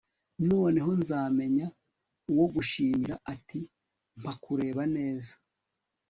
Noneho nzamenya uwo gushimira ati mpa kureba neza